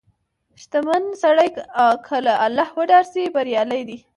• شتمن سړی که له الله وډار شي، بریالی دی.